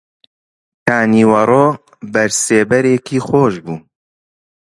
تا نیوەڕۆ بەر سێبەرێکی خۆش بوو